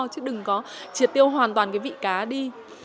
chứ đừng có triệt tiêu hoàn toàn cái vị cá đi